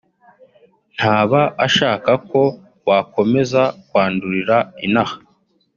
ntaba ashaka ko wakomeza kwandurira inaha